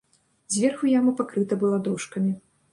Зверху яма пакрыта была дошкамі.